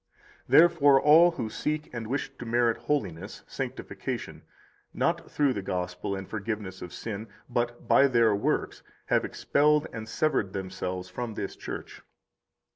Therefore all who seek and wish to merit holiness [sanctification], not through the Gospel and forgiveness of sin, but by their works, have expelled and severed themselves [from this Church].